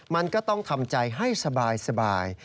มันก็ต้องทำใจให้สบาย